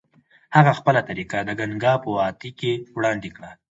هغه خپله طریقه د ګنګا په وادۍ کې وړاندې کړه.